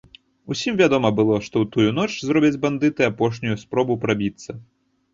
Усім вядома было, што ў тую ноч зробяць бандыты апошнюю спробу прабіцца.